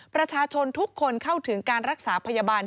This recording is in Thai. ประชาชนทุกคนเข้าถึงการรักษาพยาบาล